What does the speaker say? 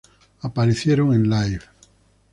Aparecieron en "Live!